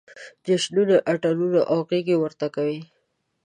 جشنونه، اتڼونه او غېږې ورته کوي.